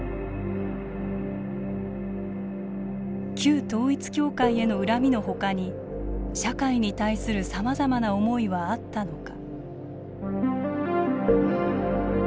旧統一教会への恨みのほかに社会に対するさまざまな思いはあったのか。